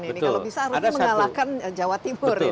kalau bisa harusnya mengalahkan jawa timur